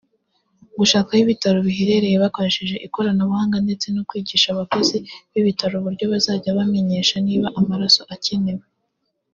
gushaka aho ibitaro biherereye bakoresheje ikoranabuhanga ndetse no kwigisha abakozi b’ibitaro uburyo bazajya bamenyesha niba amaraso akenewe